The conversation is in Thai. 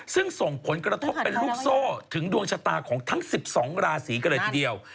ซึ่งส่งผลกระทบเป็นลูกโซ่ถึงดวงชะตาของทั้ง๑๒ราศีกันเลยทีเดียว